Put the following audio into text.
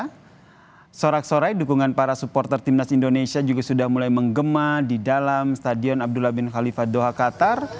karena sorak sorai dukungan para supporter timnas indonesia juga sudah mulai menggema di dalam stadion abdullah bin khalifat doha qatar